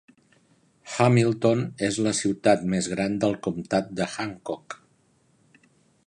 Hamilton és la ciutat més gran del comtat de Hancock.